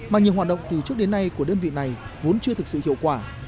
mà nhiều hoạt động từ trước đến nay của đơn vị này vốn chưa thực sự hiệu quả